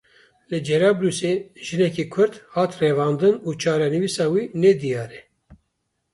Li Cerablûsê jineke Kurd hate revandin û çarenivîsa wê nediyar e.